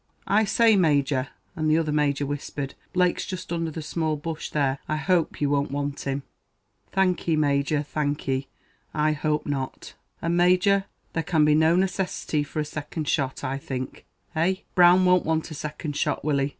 "I say, Major," and the other Major whispered; "Blake's just under the small bush there, I hope you won't want him." "Thank ye, Major, thank ye I hope not." "And, Major, there can be no necessity for a second shot, I think eh? Brown won't want a second shot, will he?"